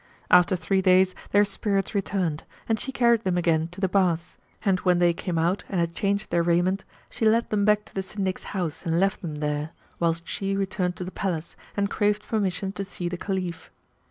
After three days their spirits returned; and she carried them again to the baths, and when they came out and had changed their raiment, she led them back to the Syndic's house and left them there, whilst she returned to the palace and craved permission to see the Caliph.